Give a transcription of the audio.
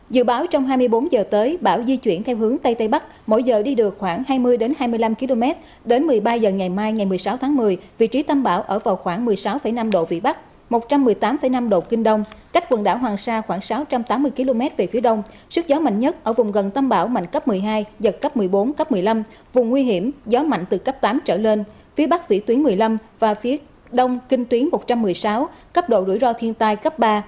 dự báo trong hai mươi bốn giờ tới bão di chuyển theo hướng tây tây bắc mỗi giờ đi được khoảng hai mươi đến hai mươi năm km đến một mươi ba giờ ngày mai ngày một mươi sáu tháng một mươi vị trí tâm bão ở vào khoảng một mươi sáu năm độ vĩ bắc một trăm một mươi tám năm độ kinh đông cách quần đảo hoàng sa khoảng sáu trăm tám mươi km về phía đông sức gió mạnh nhất ở vùng gần tâm bão mạnh cấp một mươi hai giật cấp một mươi bốn cấp một mươi năm vùng nguy hiểm gió mạnh từ cấp tám trở lên phía bắc vĩ tuyến một mươi năm và phía đông kinh tuyến một trăm một mươi sáu cấp độ rủi ro thiên tai cấp ba